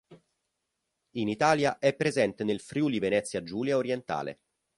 In Italia è presente nel Friuli-Venezia Giulia orientale.